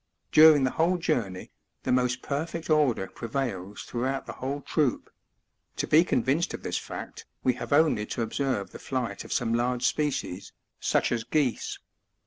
During the whole journey, the most perfect order prevails throughout the whole troop ; to be convinced of this fact we have only to observe the flight df some large species, such as geese.